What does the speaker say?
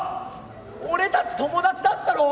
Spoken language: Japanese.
俺たち友達だったろ？